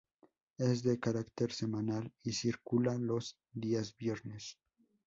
Es de carácter semanal y circula los días viernes.